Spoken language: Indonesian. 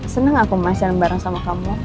seneng aku mas jalan bareng sama kamu